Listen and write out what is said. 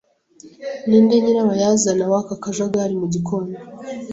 Ninde nyirabayazana w'aka kajagari mu gikoni?